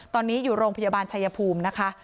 ตอนนี้อยู่โรงพยาบาลชายภูมินะคะ